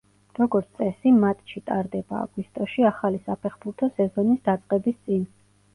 როგორც წესი, მატჩი ტარდება აგვისტოში, ახალი საფეხბურთო სეზონის დაწყების წინ.